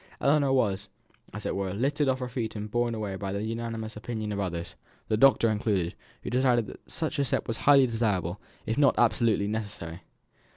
Ellinor was, as it were, lifted off her feet and borne away by the unanimous opinion of others the doctor included who decided that such a step was highly desirable; if not absolutely necessary.